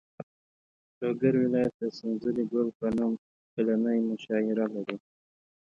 لوګر ولایت د سنځلې ګل په نوم کلنۍ مشاعره لري.